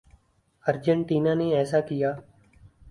Argentina نے ایسا کیا۔